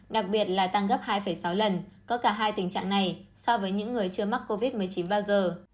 đặc biệt là tăng gấp hai sáu lần có cả hai tình trạng này so với những người chưa mắc covid một mươi chín bao giờ